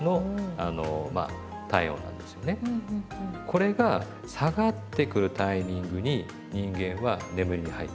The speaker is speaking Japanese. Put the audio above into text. これが下がってくるタイミングに人間は眠りに入ってくる。